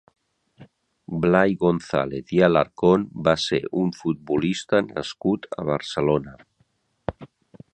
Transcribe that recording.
Blai González i Alarcón va ser un futbolista nascut a Barcelona.